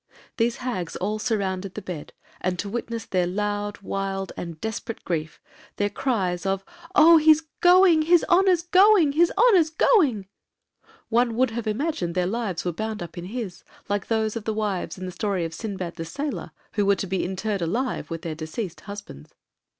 These hags all surrounded the bed; and to witness their loud, wild, and desperate grief, their cries of 'Oh! he's going, his honor's going, his honor's going,' one would have imagined their lives were bound up in his, like those of the wives in the story of Sinbad the Sailor, who were to be interred alive with their deceased husbands.